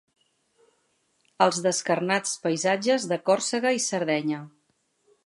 Els descarnats paisatges de Còrsega i Sardenya.